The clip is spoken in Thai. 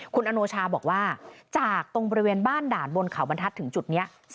คุณอโนชาบอกว่าจากตรงบริเวณบ้านด่านบนเขาบรรทัศน์ถึงจุดนี้